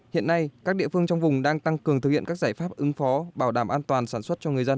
hiện nay các địa phương trong vùng đang tăng cường thực hiện các giải pháp ứng phó bảo đảm an toàn sản xuất cho người dân